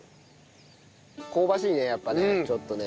香ばしいねやっぱねちょっとね。